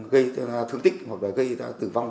gây thương tích hoặc gây tử vong